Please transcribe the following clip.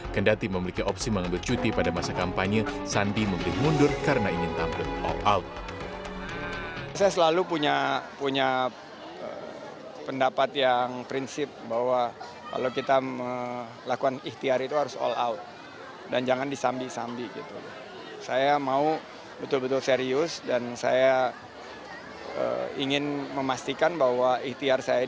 kendati memiliki opsi mengambil cuti pada masa kampanye sandi memberi mundur karena ingin tampil all out